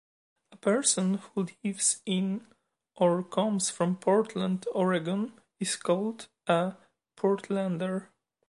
A person who lives in or comes from Portland, Oregon is called a "Portlander".